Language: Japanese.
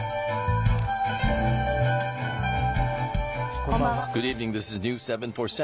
こんばんは。